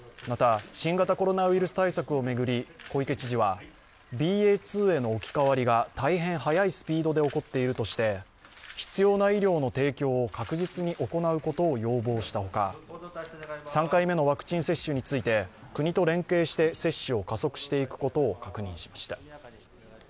また、新型コロナウイルス対策を巡り、小池知事はＢＡ．２への置き換わりが大変早いスピードで起こっているとして必要な医療の提供を確実に行うことを要望したほか３回目のワクチン接種について、国と連携して接種を加速していくことを確認しました。